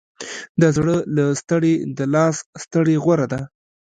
د زړه له ستړې، د لاس ستړې غوره ده.